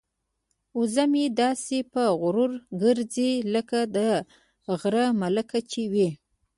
وزه مې داسې په غرور ګرځي لکه د غره ملکه چې وي.